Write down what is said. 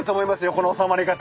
この収まり方。